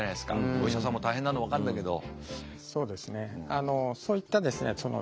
お医者さんも大変なのは分かるんだけど。